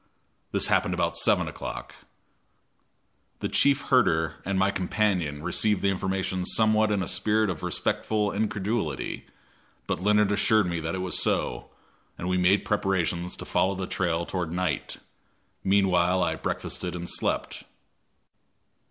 This happened about 7 o'clock. The chief herder and my companion received the information somewhat in a spirit of respectful incredulity, but Leonard assured me that it was so, and we made preparations to follow the trail toward night. Meanwhile I breakfasted and slept.